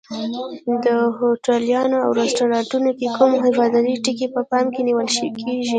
د هوټلونو او رستورانتونو کې کوم حفاظتي ټکي په پام کې نیول کېږي؟